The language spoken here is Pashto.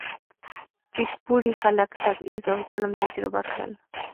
ټیټ پوړي خلک تبعیض او ظلم تجربه کړل.